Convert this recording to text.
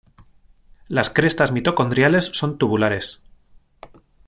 Las crestas mitocondriales son tubulares.